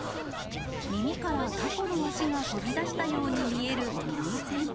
耳からタコの足が飛び出したように見える耳栓。